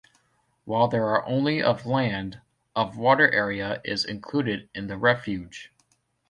While there are only of land, of water area is included in the Refuge.